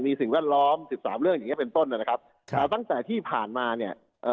มีสิ่งแวดล้อมสิบสามเรื่องอย่างเงี้เป็นต้นนะครับครับตั้งแต่ที่ผ่านมาเนี้ยเอ่อ